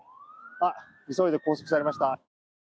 急いで拘束されました。